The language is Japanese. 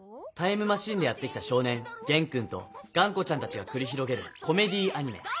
タイムマシンでやって来た少年ゲンくんとがんこちゃんたちがくり広げるコメディーアニメ。